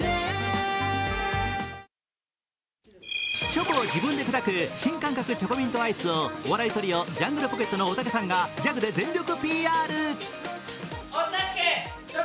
チョコを自分で砕く新感覚チョコミントアイスをお笑いトリオ、ジャングルポケットのおたけさんが逆で全力ＰＲ。